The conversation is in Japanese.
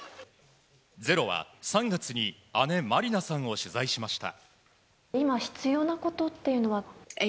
「ｚｅｒｏ」は３月に姉・マリナさんを取材しました。